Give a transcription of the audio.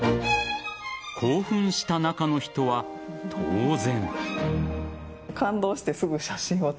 興奮した中の人は、当然。